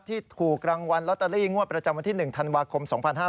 ถูกรางวัลลอตเตอรี่งวดประจำวันที่๑ธันวาคม๒๕๕๙